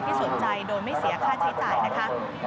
สนใจโดยไม่เสียค่าใช้จ่ายนะคะ